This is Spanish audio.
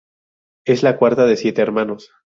Es la cuarta de siete hermanos.